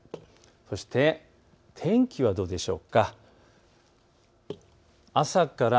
そして天気はどうでしょうか。